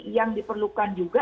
yang diperlukan juga